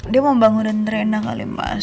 dia mau bangunin rena kali mas